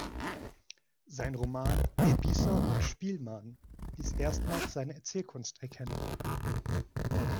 Sein Roman „Spießer und Spielmann“ ließ erstmals seine Erzählkunst erkennen.